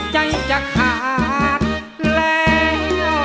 ใจจะขาดแล้ว